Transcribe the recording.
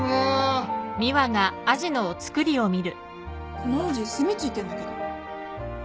このアジ墨ついてんだけど。